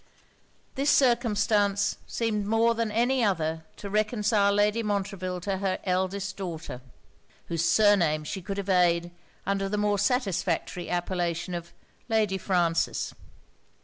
This circumstance seemed more than any other to reconcile Lady Montreville to her eldest daughter, whose surname she could evade under the more satisfactory appellation of Lady Frances.